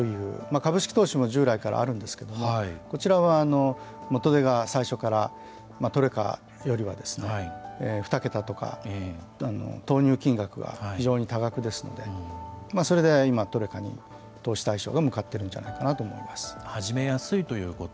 株式投資も従来からあるんですけれどもこちらは、元手が最初からトレカよりは２桁とか、投入金額が非常に多額ですのでそれで今、トレカに投資対象が向かっているんじゃないか始めやすいということ。